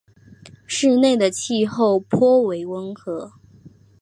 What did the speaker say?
市内的气候颇为温和。